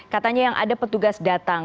katanya yang ada petugas datang